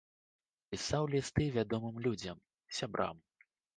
Пісаў лісты вядомым людзям, сябрам.